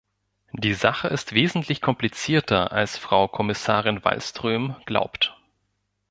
Die Sache ist wesentlich komplizierter als Frau Kommissarin Wallström glaubt.